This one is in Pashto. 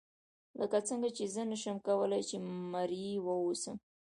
لکه څنګه چې زه نشم کولای چې مریی واوسم.